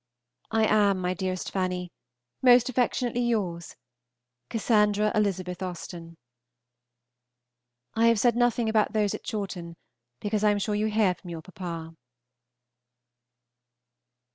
I am, my dearest Fanny, Most affectionately yours, CASS. ELIZ. AUSTEN. I have said nothing about those at Chawton, because I am sure you hear from your papa.